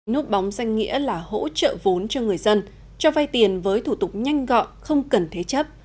nút bóng danh nghĩa là hỗ trợ vốn cho người dân cho vay tiền với thủ tục nhanh gọn không cần thế chấp